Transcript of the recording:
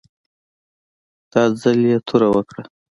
دا ځل یې توره وکړه.